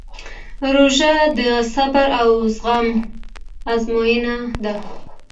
روژه د صبر او زغم ازموینه ده.